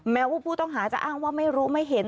แม้ว่าผู้ต้องหาจะอ้างว่าไม่รู้ไม่เห็น